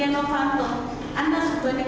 tentang rencana penggunaan anggaran kppr